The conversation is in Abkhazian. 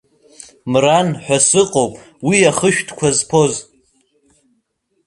Мран ҳәа сыҟоуп уи ахышәҭқәа зԥоз.